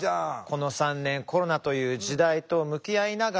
この３年コロナという時代と向き合いながら。